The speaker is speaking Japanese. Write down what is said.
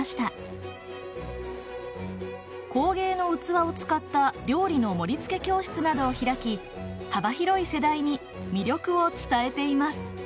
工芸の器を使った料理の盛りつけ教室などを開き幅広い世代に魅力を伝えています。